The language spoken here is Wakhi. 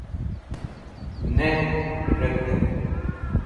Nem reg̃hdẽ